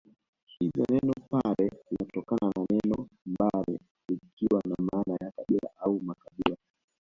Hivyo neno Pare linatokana na neno mbare likiwa na maana ya kabila au Mkabila